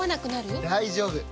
大丈夫！